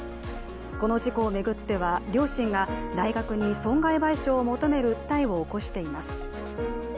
この事故を巡っては両親が大学に損害賠償を求める訴えを起こしています。